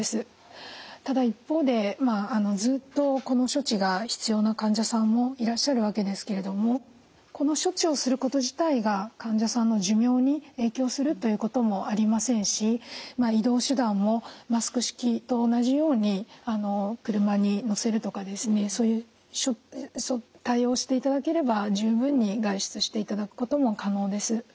ただ一方でずっとこの処置が必要な患者さんもいらっしゃるわけですけれどもこの処置をすること自体が患者さんの寿命に影響するということもありませんし移動手段もマスク式と同じように車に乗せるとかですねそういう対応をしていただければ十分に外出していただくことも可能です。